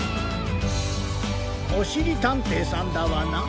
おしりたんていさんダワナ？